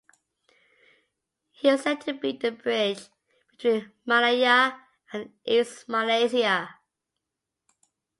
He was said to be the "bridge between Malaya and East Malaysia".